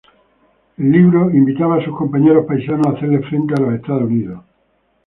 El libro invitaba a sus compañeros paisanos a hacerle frente a los Estados Unidos.